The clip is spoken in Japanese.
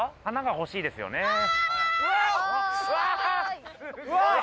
華がほしいですよね。